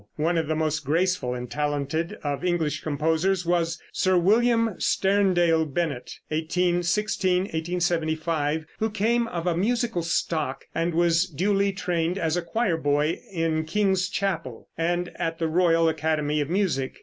One of the most graceful and talented of English composers was Sir William Sterndale Bennett (1816 1875), who came of a musical stock, and was duly trained as a choir boy in King's Chapel, and at the Royal Academy of Music.